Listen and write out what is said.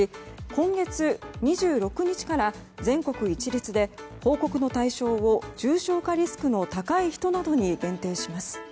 今月２６日から全国一律で報告の対象を重症化リスクの高い人などに限定します。